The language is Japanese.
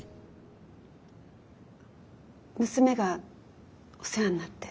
娘がお世話になって。